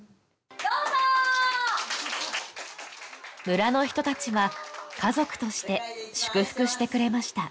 村の人たちは家族として祝福してくれました